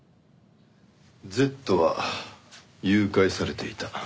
Ｚは誘拐されていた。